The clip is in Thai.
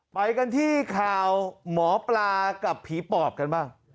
ไปกันที่ข่าวหมอปลากับผีปอบกันบ้าง